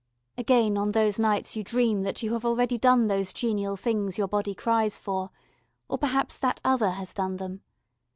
Again on those nights you dream that you have already done those genial things your body cries for, or perhaps That Other has done them.